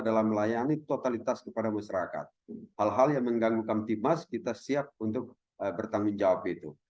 dalam melayani totalitas kepada masyarakat hal hal yang mengganggu kamtimas kita siap untuk bertanggung jawab itu